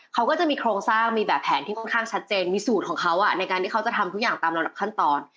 เขาก็จะมีโครงสร้างมีแบบแผนที่ค่อนข้างชัดเจนมีสูตรของเขาในการที่เขาจะทำทุกอย่างตามระดับขั้นตอน